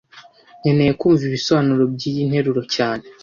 Nkeneye kumva ibisobanuro byiyi nteruro cyane